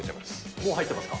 もう、入ってますか。